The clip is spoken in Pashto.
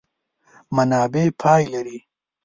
منابع پای لري.